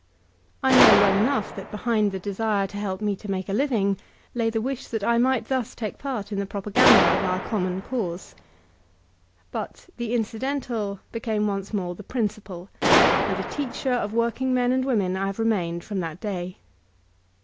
I know well enough that behind the desire to help me to make a living lay the wish that I might thus take part in the propaganda of our common cause. But the incidental became once more the principal, and a teacher of working men and women I have remained from that day.